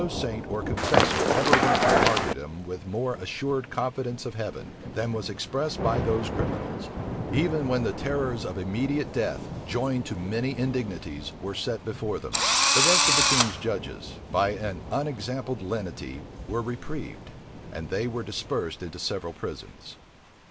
No saint or confessor ever went to martyrdom with more assured confidence of heaven, than was expressed by those criminals, even when the terrors of immediate death, joined to many indignities, were set before them. The rest of the king's judges, by an unexampled lenity, were reprieved; and they were dispersed into several prisons.